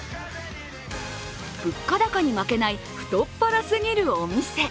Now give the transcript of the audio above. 物価高に負けない太っ腹すぎるお店。